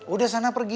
udah sana pergi